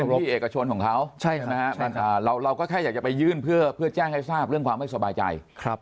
ที่เอกชนของเขาเราก็แค่อยากจะไปยื่นเพื่อแจ้งให้ทราบเรื่องความไม่สบายใจ